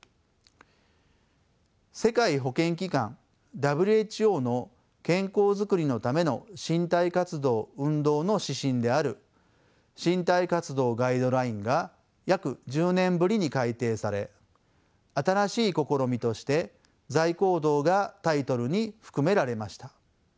世界保健機関ＷＨＯの健康づくりのための身体活動運動の指針である「身体活動ガイドライン」が約１０年ぶりに改訂され新しい試みとして座位行動がタイトルに含められました。